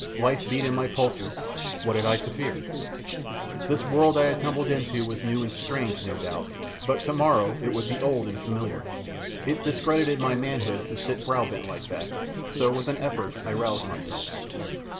Life beat in my pulses; what had I to fear? This world I had tumbled into was new and strange, no doubt, but tomorrow it would be old and familiar; it discredited my manhood to sit brow bent like that, so with an effort I roused myself.